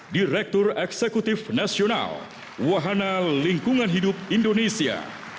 direktur eksekutif nasional wahana lingkungan hidup indonesia